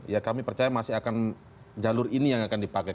ya kami percaya masih akan jalur ini yang akan dipakai